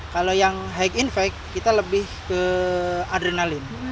kalau yang high infect kita lebih ke adrenalin